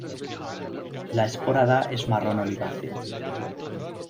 La esporada es marrón oliváceo.